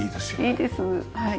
いいですはい。